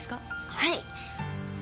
はい。